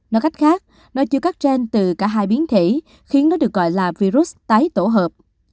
nói cách khác nó chứa các gen từ cả hai biến thể khiến nó được gọi là virus tái tổ hợp